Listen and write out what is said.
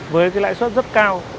với cái lãi suất rất cao